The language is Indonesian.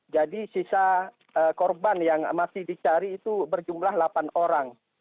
jadi sisa korban yang masih dicari itu berjumlah delapan orang